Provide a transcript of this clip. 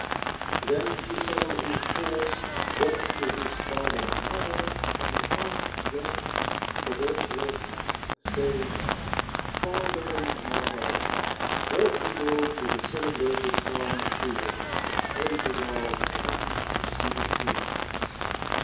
Then he saddled his horse, went to his father and mother, and asked them for their blessing, saying— "Father and mother of mine, let me go to the celebrated town of Kiev, to pray to God and to see the prince."